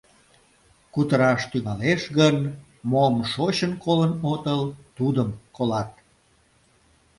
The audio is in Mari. Кутыраш тӱҥалеш гын, мом шочын колын отыл, тудым колат.